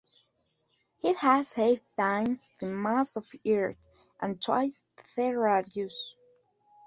It has eight times the mass of Earth, and twice the radius.